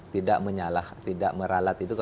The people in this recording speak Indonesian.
tidak menyalah tidak meralat itu ke fadli zon